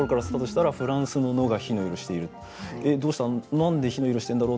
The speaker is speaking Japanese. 何で火の色してるんだろう？」